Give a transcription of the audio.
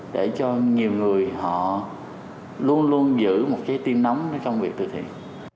để cho nhiều người họ luôn luôn giữ một trái tim nóng trong việc thực hiện